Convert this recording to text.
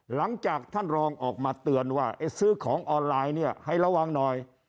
หลังจากท่านรองออกมาเตือนว่าซื้อของออนไลน์เนี่ยให้ระวังหน่อย